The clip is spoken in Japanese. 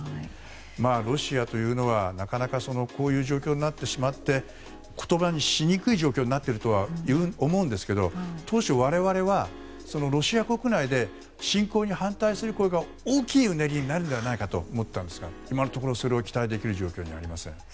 ロシアというのは、なかなかこういう状況になってしまって言葉にしにくい状況になっているとは思うんですけど当初、我々はロシア国内で侵攻に反対する声が大きいうねりになるのではないかと思ったんですが今のところ、それを期待できる状況にはありません。